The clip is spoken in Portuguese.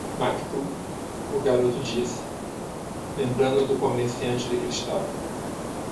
"Maktub?" o garoto disse? lembrando do comerciante de cristal.